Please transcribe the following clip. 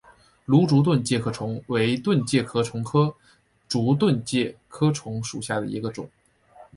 芦竹盾介壳虫为盾介壳虫科竹盾介壳虫属下的一个种。